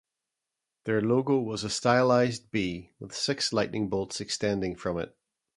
Their logo was a stylized 'B' with six lightning bolts extending from it.